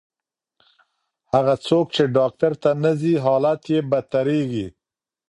هغه څوک چې ډاکټر ته نه ځي، حالت یې بدتریږي.